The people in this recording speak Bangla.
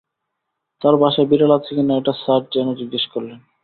তাঁর বাসায় বিড়াল আছে কি না এটা স্যার কেন জিজ্ঞেস করলেন?